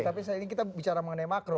tapi saya ingin kita bicara mengenai makro